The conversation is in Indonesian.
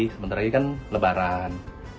sebentar lagi kan lebaran